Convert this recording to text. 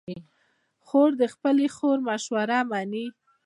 خور د خپلې خور مشوره منې.